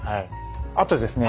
あとですね